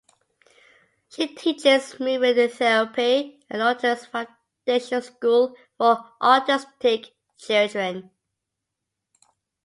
She teaches movement therapy at the Lotus Foundation School for Autistic Children.